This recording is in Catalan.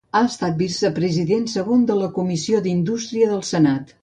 Ha estat vicepresident segon de la Comissió d'Indústria del Senat.